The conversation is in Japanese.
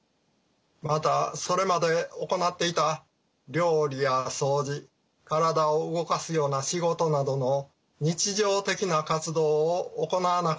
またそれまで行っていた料理や掃除体を動かすような仕事などの日常的な活動を行わなくなります。